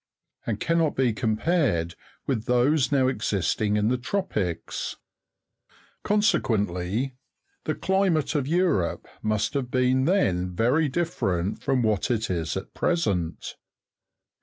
and cannot be compared with those now existing in the tropics; consequently, the climate of Europe must have been then very different from what it is at present.